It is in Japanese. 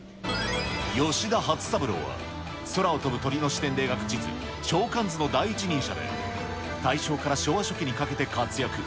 吉田初三郎は、空を飛ぶ鳥の視点で描く地図、鳥観図の第一人者で、大正から昭和初期にかけて活躍。